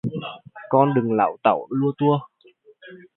Con đừng láu táu lua tua